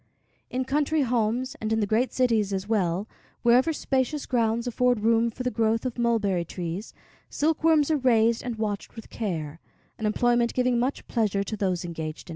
In country homes, and in the great cities as well, wherever spacious grounds afford room for the growth of mulberry trees, silkworms are raised and watched with care; an employment giving much pleasure to those engaged in it.